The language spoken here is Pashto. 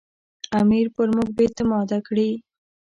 امیر پر موږ بې اعتماده کړي.